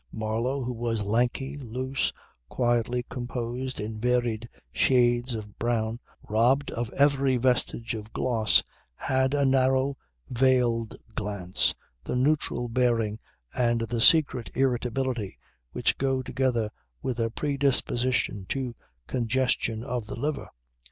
Marlow who was lanky, loose, quietly composed in varied shades of brown robbed of every vestige of gloss, had a narrow, veiled glance, the neutral bearing and the secret irritability which go together with a predisposition to congestion of the liver.